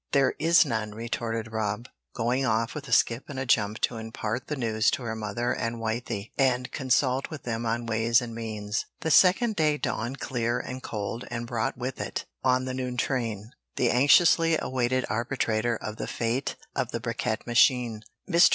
"There is none," retorted Rob, going off with a skip and a jump to impart the news to her mother and Wythie, and consult with them on ways and means. The second day dawned clear and cold and brought with it, on the noon train, the anxiously awaited arbitrator of the fate of the bricquette machine. Mr.